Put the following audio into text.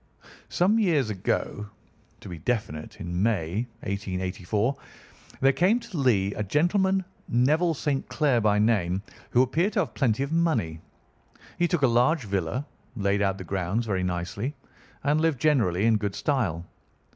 "Some years ago—to be definite, in May, 1884—there came to Lee a gentleman, Neville St. Clair by name, who appeared to have plenty of money. He took a large villa, laid out the grounds very nicely, and lived generally in good style.